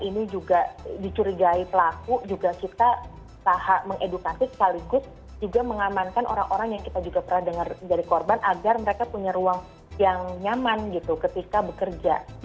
ini juga dicurigai pelaku juga kita mengedukasi sekaligus juga mengamankan orang orang yang kita juga pernah dengar dari korban agar mereka punya ruang yang nyaman gitu ketika bekerja